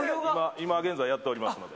今、現在やっております。